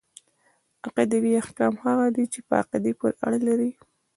عقيدوي احکام هغه دي چي په عقيدې پوري اړه لري .